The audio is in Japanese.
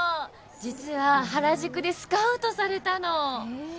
実は原宿でスカウトされたの。